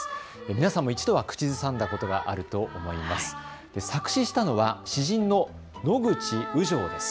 皆さんも一度は口ずさんだことがあると思います。